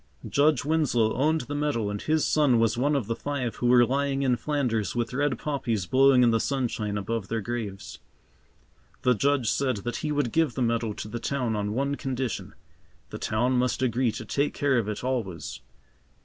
Judge Winslow owned the meadow and his son was one of the five who were lying in Flanders with red poppies blowing in the sunshine above their graves. The Judge said that he would give the meadow to the town on one condition. The town must agree to take care of it always.